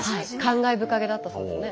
感慨深げだったそうですね。